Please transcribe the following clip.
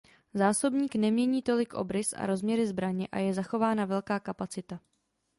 Zásobník nemění tolik obrys a rozměry zbraně a je zachována velká kapacita.